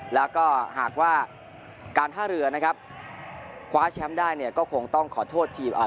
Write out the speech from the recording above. แล้วก็หากว่าการท่าเรือนะครับคว้าแชมป์ได้เนี่ยก็คงต้องขอโทษทีมอ่า